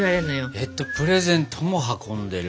えっとプレゼントも運んでる？